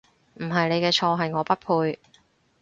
唔係你嘅錯，係我不配